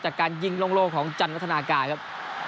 จากการยิงลงโลกของจันทนากายครับ